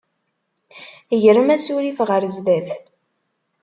Grem asurif ɣer sdat.